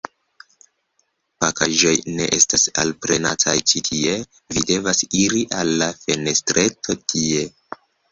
Pakaĵoj ne estas alprenataj tie ĉi; vi devas iri al la fenestreto, tie.